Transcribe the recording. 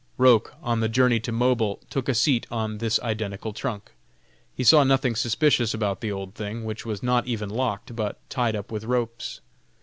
Roch, on the journey to Mobile, took a seat on this identical trunk; he saw nothing suspicious about the old thing, which was not even locked, but tied up with ropes.